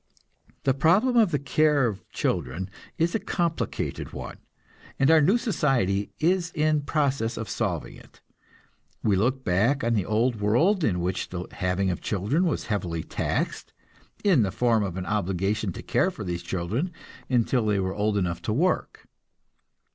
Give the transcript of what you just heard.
The problem of the care of children is a complicated one, and our new society is in process of solving it. We look back on the old world in which the having of children was heavily taxed, in the form of an obligation to care for these children until they were old enough to work.